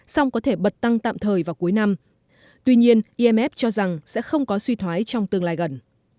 song có thể bật tăng tạm thời vào cuối năm tuy nhiên imf cho rằng sẽ không có suy thoái trong tương lai gần